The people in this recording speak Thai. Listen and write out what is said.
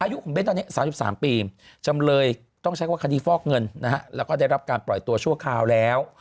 อายุของเบ้นตอนนี้๓๓ปีจำเลยต้องใช้ว่าคดีฟอกเงินนะฮะแล้วก็ได้รับการปล่อยตัวชั่วคราวแล้ว